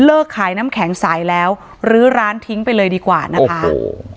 ขายน้ำแข็งใสแล้วลื้อร้านทิ้งไปเลยดีกว่านะคะโอ้โห